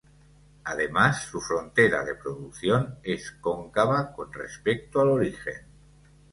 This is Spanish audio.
Además su Frontera de Producción es cóncava con respecto al origen.